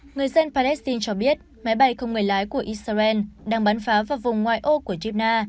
người dân palestine cho biết máy bay không người lái của israel đang bắn phá vào vùng ngoại ô của gina